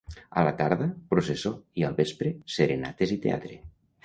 A la tarda, processó i al vespre, serenates i teatre.